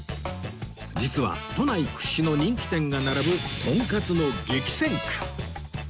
実は都内屈指の人気店が並ぶとんかつの激戦区